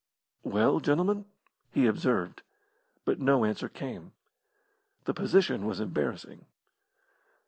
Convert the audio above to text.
"Well, gentlemen?" he observed, but no answer came. The position was embarrassing.